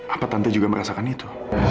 apa tante juga merasakan itu